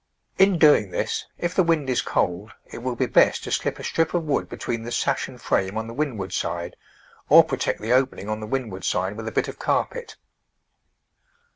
In doing this, if the wind is cold, it will be best to slip a strip of wood between the sash and frame on the windward side, or protect the opening on the windward side with a bit of carpet.